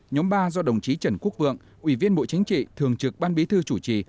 nhóm ba do đồng chí trần quốc vượng ủy viên bộ chính trị thường trực ban bí thư chủ trì